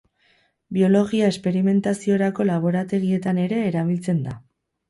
Biologia-esperimentaziorako laborategietan ere erabiltzen da.